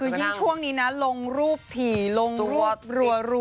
คือยิ่งช่วงนี้นะลงรูปถี่ลงรูปรัว